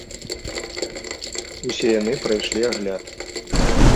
Усе яны прайшлі агляд.